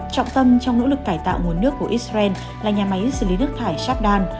trọng tâm trong nỗ lực cải tạo nguồn nước của israel là nhà máy xử lý nước thải shabdan